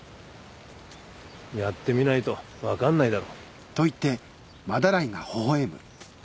やってみないと分かんないだろ